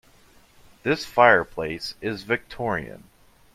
This fireplace is Victorian.